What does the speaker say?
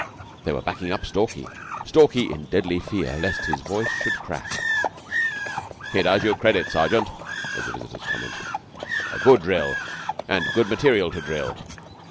They were backing up Stalky Stalky in deadly fear lest his voice should crack. "He does you credit, Sergeant," was the visitor's comment. "A good drill and good material to drill.